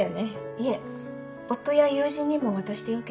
いえ夫や友人にも渡してよければ。